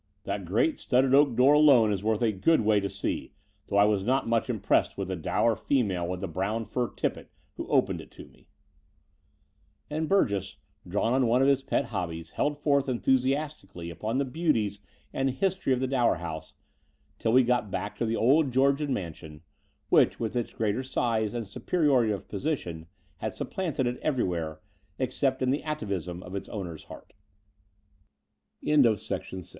That great studded oak door alone is worth going a good way to see, though I was not much impressed with the dour female with the brown fur tippet, who opened it to me." And Burgess, drawn on one of his pet hobbies, held forth enthusiastically upon the beauties and history of the Dower House till we got back to the old Georgian mansion, which, with its greater size and superiority of position, had